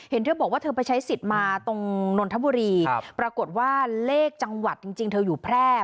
เห็นเธอบอกว่าเธอไปใช้สิทธิ์มาตรงนนทบุรีปรากฏว่าเลขจังหวัดจริงเธออยู่แพร่